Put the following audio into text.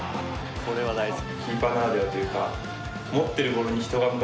これは大好き。